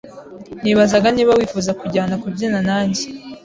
Nibazaga niba wifuza kujyana kubyina nanjye?